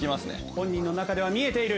本人の中では見えている。